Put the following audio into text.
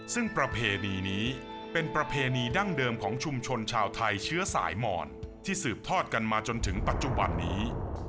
ซึ่งประเพณีนี้เป็นประเพณีดั้งเดิมของชุมชนชาวไทยเชื้อสายหมอนที่สืบทอดกันมาจนถึงปัจจุบันนี้